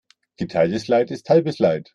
Geteiltes Leid ist halbes Leid.